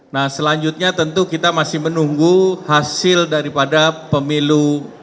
nah selanjutnya tentu kita masih menunggu hasil daripada pemilu